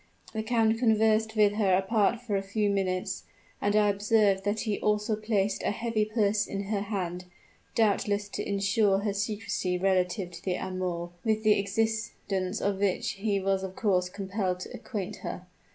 The count conversed with her apart for a few minutes; and I observed that he also placed a heavy purse in her hand doubtless to insure her secrecy relative to the amour, with the existence of which he was of course compelled to acquaint her.